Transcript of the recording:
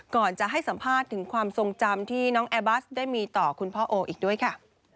ก่อนจะให้สัมภาษณ์ถึงความทรงจำที่น้องแอร์บัสได้มีต่อคุณพ่อโออีกด้วยค่ะ